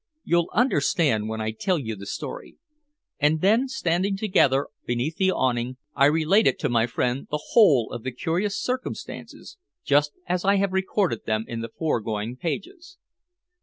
"You'll understand when I tell you the story." And then, standing together beneath the awning, I related to my friend the whole of the curious circumstances, just as I have recorded them in the foregoing pages.